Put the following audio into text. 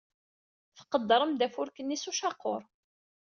Tqeddrem-d afurk-nni s ucaqur.